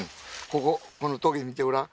こここの棘見てごらん？